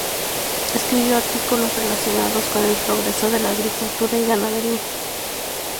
Escribió artículos relacionados con el progreso de la Agricultura y Ganadería.